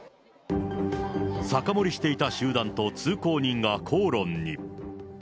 酒盛りしていた集団と通行人が口論に。